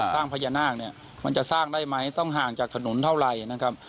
สร้างพญานาคเนี่ยมันจะสร้างได้ไหมต้องห่างจากถนนเท่าไหร่นะครับ